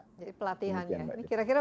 jadi pelatihannya kira kira